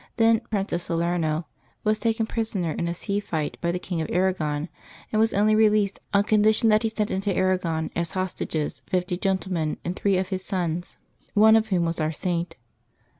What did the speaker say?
then Prince of Salerno, was taken prisoner in a sea fight by the King of Arragon, and was only released on condition that he sent into Arragon, as hostages, fifty gentlemen and three of his sons, one of whom was our Saint.